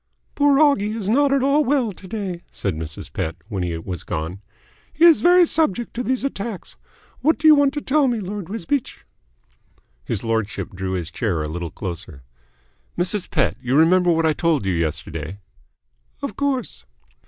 "Poor Oggie is not at all well to day," said Mrs. Pett, when he was gone. "He is very subject to these attacks. What do you want to tell me, Lord Wisbeach?" His lordship drew his chair a little closer. "Mrs. Pett, you remember what I told you yesterday?" "Of course."